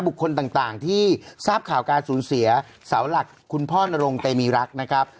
คนต่างที่ทราบข่าวการสูญเสียเสาหลักคุณพ่อนรงเตมีรักนะครับ